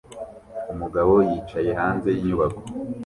Umugabo yicaye hanze yinyubako